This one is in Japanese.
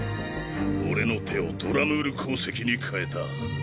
俺の手をドラムール鉱石に変えた。